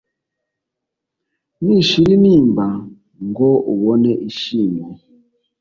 ntishira intimba ngo ubone ishimye